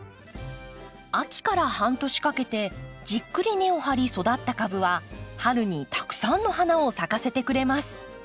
秋から半年かけてじっくり根を張り育った株は春にたくさんの花を咲かせてくれます。